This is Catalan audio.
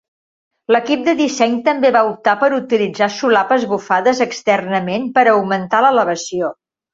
L'equip de disseny també va optar per utilitzar solapes bufades externament per augmentar l'elevació.